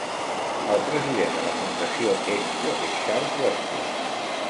El president de la fundació Expo és Charles Westin.